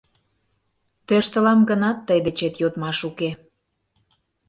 Тӧрштылам гынат, тый дечет йодмаш уке.